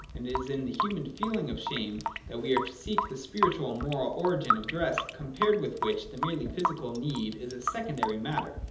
And it is in the human feeling of shame that we are to seek the spiritual and moral origin of dress, compared with which the merely physical need is a secondary matter.